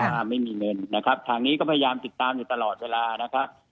ถ้าไม่มีเงินนะครับทางนี้ก็พยายามติดตามอยู่ตลอดเวลานะครับ